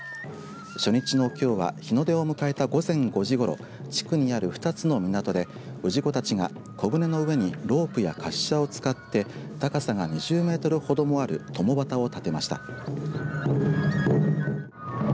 初日のきょうは日の出を迎えた午前５時ごろ地区にある２つの港で氏子たちが小舟の上にロープや滑車を使って高さが２０メートルほどもあるとも旗を立てました。